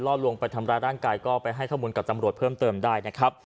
ลวงไปทำร้ายร่างกายก็ไปให้ข้อมูลกับตำรวจเพิ่มเติมได้นะครับ